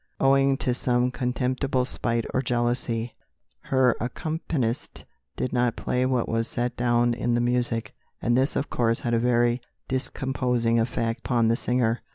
Owing to some contemptible spite or jealousy, her accompanist did not play what was set down in the music, and this of course had a very discomposing effect upon the singer.